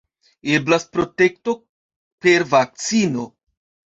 Eblas protekto per vakcino.